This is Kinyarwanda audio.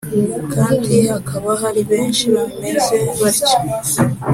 kandi hakaba hari benshi bameze batyo